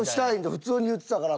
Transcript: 普通に言ってたから。